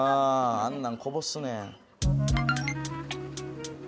あんなんこぼすねん。